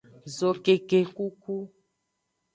Zokekekuku.